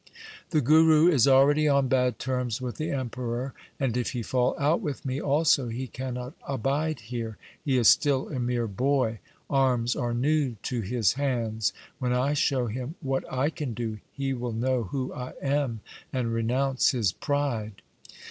The Guru is already on bad terms with the Emperor, and, if he fall out with me also, he cannot abide here. He is still a mere boy ; arms are new to his hands. When I show him what I can do, he will know who I am and renounce his pride.'